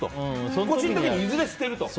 引っ越しの時にいずれ捨てると。